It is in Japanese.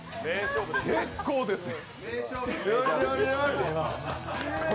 結構ですね。